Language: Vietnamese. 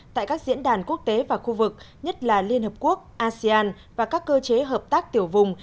tại các diễn đàn quốc tế và khu vực nhất là liên hợp quốc asean và các cơ chế hợp tác tiểu vùng